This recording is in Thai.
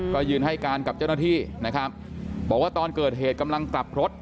ก็ยืนให้การกับเจ้าหน้าที่นะครับบอกว่าตอนเกิดเหตุกำลังกลับรถ